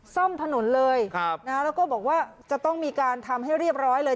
ซ่อมถนนเลยแล้วก็บอกว่าจะต้องมีการทำให้เรียบร้อยเลย